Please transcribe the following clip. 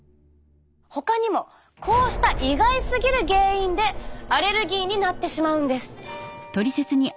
ほかにもこうした意外すぎる原因でアレルギーになってしまうんです。